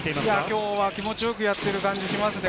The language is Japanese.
今日は気持ちよくやってる感じがしますね。